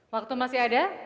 waktu masih ada